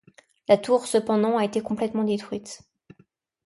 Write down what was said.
La tour, cependant, a été complètement détruite.